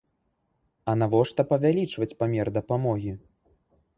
А навошта павялічваць памер дапамогі?